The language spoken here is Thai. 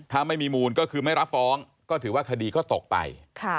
ถ้าไม่มีมูลก็คือไม่รับฟ้องก็ถือว่าคดีก็ตกไป